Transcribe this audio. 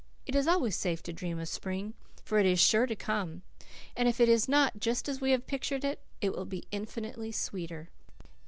It is always safe to dream of spring. For it is sure to come; and if it be not just as we have pictured it, it will be infinitely sweeter.